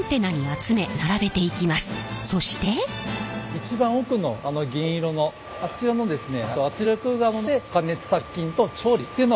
一番奥の銀色のあちらのですね